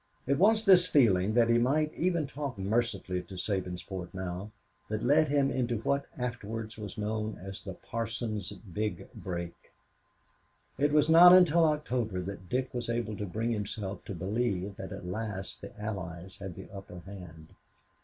It was this feeling that he might even talk mercifulness to Sabinsport now that led him into what afterwards was known as "the Parson's Big Break." It was not until October that Dick was able to bring himself to believe that at last the Allies had the upper hand.